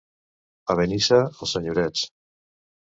A Benissa, els senyorets.